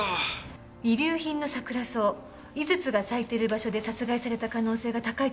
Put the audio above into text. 遺留品のサクラソウ井筒が咲いてる場所で殺害された可能性が高いと思われます。